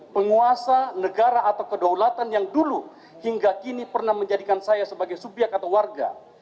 penguasa negara atau kedaulatan yang dulu hingga kini pernah menjadikan saya sebagai subyek atau warga